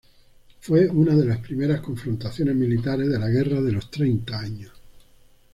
Fue una de las primeras confrontaciones militares de la Guerra de los Treinta Años.